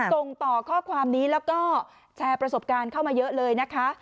ส่งต่อข้อความนี้แล้วก็แชร์ประสบการณ์เข้ามาเยอะเลยนะคะ